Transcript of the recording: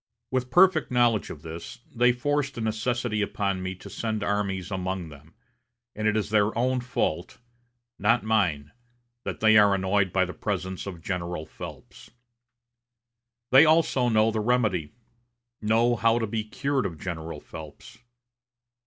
With perfect knowledge of this, they forced a necessity upon me to send armies among them, and it is their own fault, not mine, that they are annoyed by the presence of General Phelps. They also know the remedy know how to be cured of General Phelps.